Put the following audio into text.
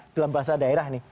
dalam bahasa daerah nih